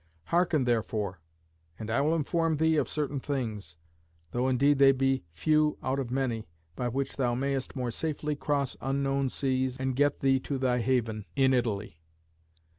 Hearken, therefore, and I will inform thee of certain things, though indeed they be few out of many, by which thou mayest more safely cross unknown seas and get thee to thy haven in Italy.